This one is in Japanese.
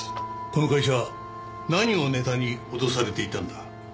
この会社何をネタに脅されていたんだ？